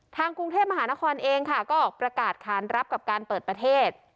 ทางกรุงเทพมหานครเองค่ะก็ออกประกาศค้านรับกับการเปิดประเทศ